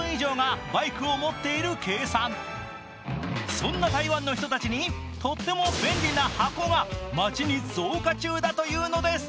そんな台湾の人たちにとっても便利な箱が街に増加中だといいます。